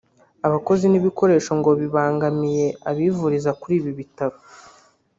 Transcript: abakozi n’ibikoresho ngo bibangamiye abivuriza kuri ibi bitaro